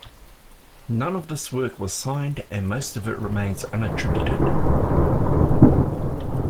None of this work was signed and most of it remains unattributed.